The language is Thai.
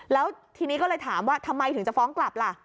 แล้วทีนี้ก็เลยถามว่าทำไมถึงจะฟ้องกลับล่ะ